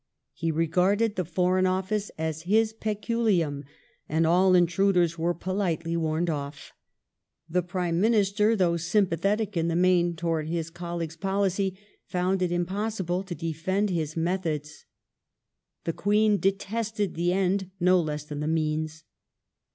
He regarded the Foreign Office as his peculium, and all intruders were politely warned off; The Prime Minister, though sympathetic in the main towards his colleague's policy, found it^ impossible to defend his methods. The Queen detested the end no less than the means.